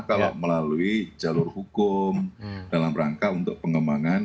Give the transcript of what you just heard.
kalau melalui jalur hukum dalam rangka untuk pengembangan ya